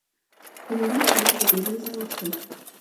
فلیریک شراب په تیزۍ سره وڅښل.